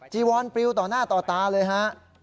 จีวอนปริวต่อหน้าต่อตาเลยฮะ